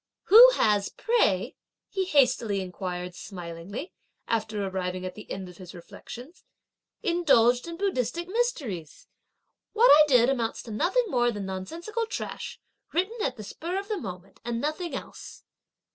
"Who has, pray," he hastily inquired smilingly, after arriving at the end of his reflections, "indulged in Buddhistic mysteries? what I did amounts to nothing more than nonsensical trash, written, at the spur of the moment, and nothing else."